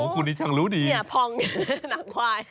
คุณนี่ช่างรู้ดีพองอย่างื่อยหนังขวาย